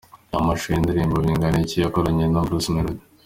Reba amashusho y'indirimbo 'Bingana iki' yakoranye na Bruce Melody.